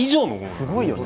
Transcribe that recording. すごいよね。